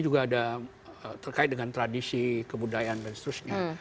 juga ada terkait dengan tradisi kebudayaan dan seterusnya